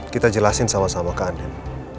kita jelasin sama sama ke andien